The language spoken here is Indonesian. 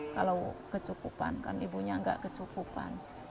kalau kecukupan kan ibunya nggak kecukupan